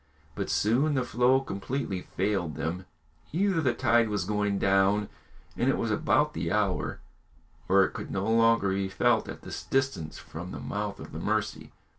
But soon the flow completely failed them either the tide was going down, and it was about the hour, or it could no longer be felt at this distance from the mouth of the Mercy.